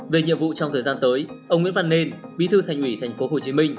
về nhiệm vụ trong thời gian tới ông nguyễn văn nên bí thư thành ủy tp hcm